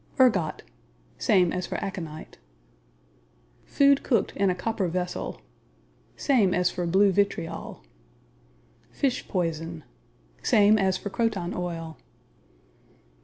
Ergot Same as for aconite. Food cooked in a copper vessel Same as for blue vitriol. Fish poison Same as for croton oil.